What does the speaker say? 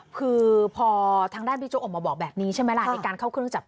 คือพอทางด้านบิ๊กโจ๊ออกมาบอกแบบนี้ใช่ไหมล่ะในการเข้าเครื่องจับ